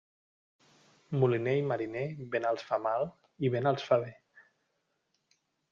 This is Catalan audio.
Moliner i mariner, vent els fa mal i vent els fa bé.